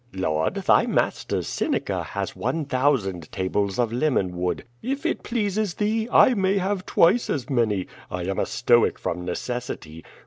"Lord, thy master, Seneca, has one thousand tables of lemon wood. If it pleases thee, I may have twice as many. I am a Stoic from necessity.